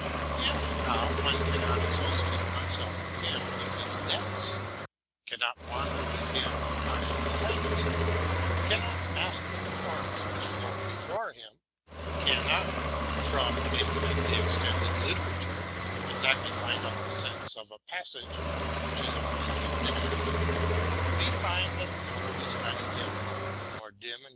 Now, al though one cannot join him in his depths, cannot wander with him on his heights, cannot master the forms which float before him, cannot from an infinitely extended literature exactly find out the sense of a passage which is only hinted at, we find, that, the more we study him, the more dim and RELATING TO MY LIFE.